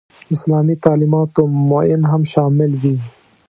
اسلامي تعلیماتو معین هم شامل وي.